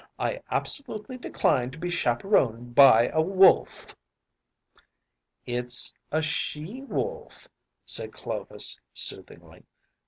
I absolutely decline to be chaperoned by a wolf!‚ÄĚ “It’s a she wolf,‚ÄĚ said Clovis soothingly.